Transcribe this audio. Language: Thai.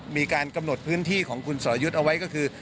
มีการกำหนดพื้นที่ของคุณสรยุทธ์เอาไว้ก็คือ